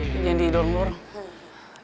nih yang di dorong dorong